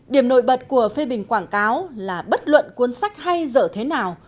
điểm nổi bật của phê bình quảng cáo là bất luận cuốn sách hay dở thế nào